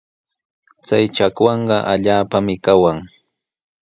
Chay chakwanqa hapallanmi kawan.